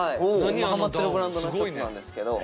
今ハマってるブランドの一つなんですけど。